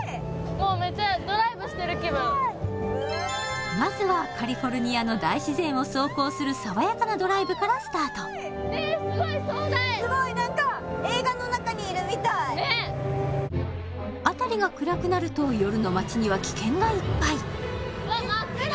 もうめっちゃまずはカリフォルニアの大自然を走行する爽やかなドライブからスタートすごい壮大すごいなんかねっ辺りが暗くなると夜の街には危険がいっぱいやだ！